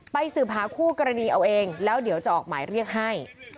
สืบหาคู่กรณีเอาเองแล้วเดี๋ยวจะออกหมายเรียกให้